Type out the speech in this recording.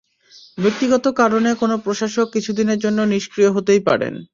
ব্যক্তিগত কারণে কোনও প্রশাসক কিছুদিনের জন্য নিষ্ক্রিয় হতেই পারেন।